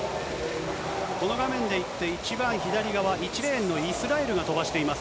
この画面で言って、一番左側、１レーンのイスラエルが飛ばしています。